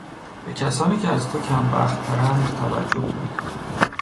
به کسانی که از تو کمبختترند توجه کن.